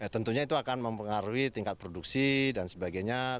tentunya itu akan mempengaruhi tingkat produksi dan sebagainya